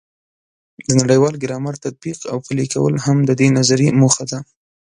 د نړیوال ګرامر تطبیق او پلي کول هم د دې نظریې موخه ده.